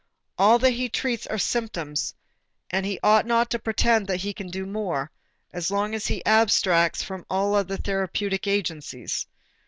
All that he treats are symptoms and he ought not to pretend that he can do more, as long as he abstracts from all other therapeutic agencies.